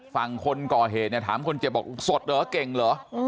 ฝั่งคนก่อเหตุเนี่ยถามคนเจ็บบอกสดเหรอเก่งเหรอ